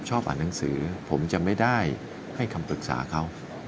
ชอบอ่านหนังสือผมจะไม่ได้ให้คำปรึกษาเขา